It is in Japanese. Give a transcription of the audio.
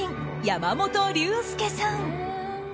山本隆介さん。